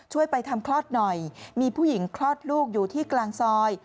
ไปทำคลอดหน่อยมีผู้หญิงคลอดลูกอยู่ที่กลางซอย